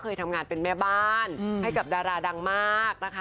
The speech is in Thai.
เคยทำงานเป็นแม่บ้านให้กับดาราดังมากนะคะ